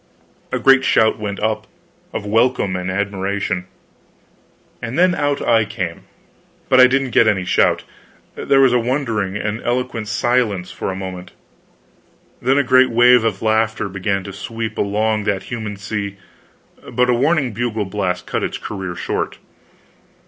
A great shout went up, of welcome and admiration. And then out I came. But I didn't get any shout. There was a wondering and eloquent silence for a moment, then a great wave of laughter began to sweep along that human sea, but a warning bugle blast cut its career short.